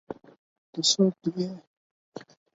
ته څوک ېې